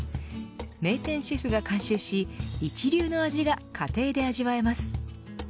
名店シェフが監修し一流の味が家庭で味わえます。